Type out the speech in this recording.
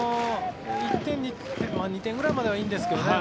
２点くらいまではいいんですけどね